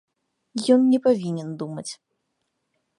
Ён не павінен думаць.